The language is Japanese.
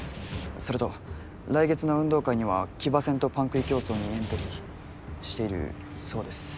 それと来月の運動会には騎馬戦とパン食い競争にエントリーしているそうです。